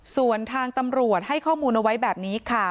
ส่วนทางตำรวจให้ข้อมูลเอาไว้แบบนี้ค่ะ